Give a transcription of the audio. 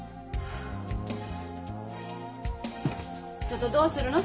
ちょっとどうするの？